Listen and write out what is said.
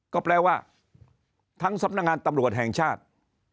ก็แปลว่าทั้งสำนักงานตำรวจแห่งชาติ